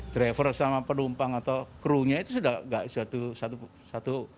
driver sama penumpang atau kru nya itu sudah tidak satu satu